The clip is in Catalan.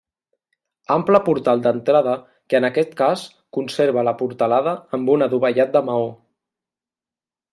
Ample portal d'entrada que en aquest cas conserva la portalada amb un adovellat de maó.